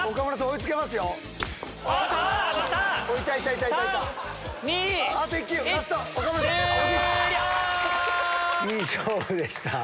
いい勝負でした。